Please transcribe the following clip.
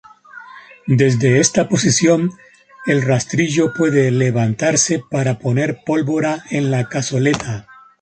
Desde esta posición el "rastrillo" puede levantarse para poner pólvora en la cazoleta.